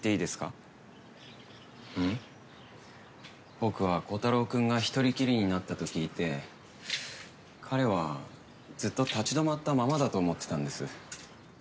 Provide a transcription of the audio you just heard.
僕はコタローくんが１人きりになったと聞いて彼はずっと立ち止まったままだと思ってたんです。